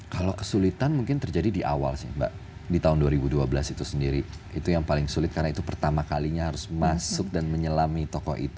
kalau kesulitan mungkin terjadi di awal sih mbak di tahun dua ribu dua belas itu sendiri itu yang paling sulit karena itu pertama kalinya harus masuk dan menyelami tokoh itu